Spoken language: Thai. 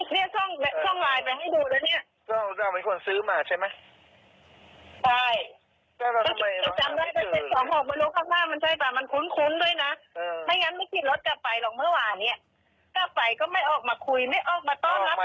เนี้ยส่งส่งไลน์ไปให้ดูแล้วเนี้ยก็เราเป็นคนซื้อมาใช่ไหม